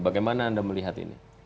bagaimana anda melihat ini